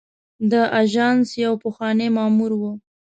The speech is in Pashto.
د آژانس یو پخوانی مامور و.